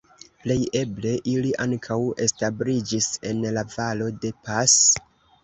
Plej eble, ili ankaŭ establiĝis en la Valo de Pas.